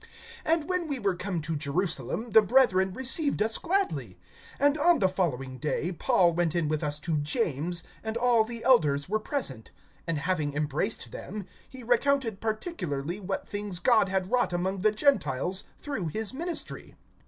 (17)And when we were come to Jerusalem, the brethren received us gladly. (18)And on the following day, Paul went in with us to James; and all the elders were present. (19)And having embraced them, he recounted particularly what things God had wrought among the Gentiles through his ministry.